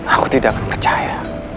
aku tidak akan percaya